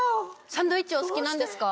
サンドイッチお好きなんですか？